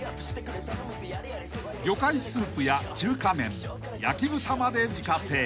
［魚介スープや中華麺焼き豚まで自家製］